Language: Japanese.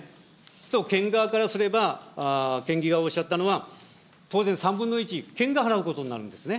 すると県側からすれば、県側がおっしゃったのは、当然３分の１、県が払うことになるんですね。